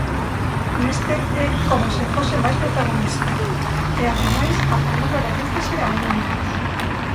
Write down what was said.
Neste é como se fose máis protagonista, e ademais a palabra redúcese ao mínimo.